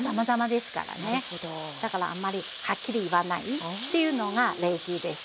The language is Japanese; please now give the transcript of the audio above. だからあまりはっきり言わないっていうのが礼儀です。